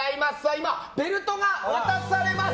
今、ベルトが渡されます。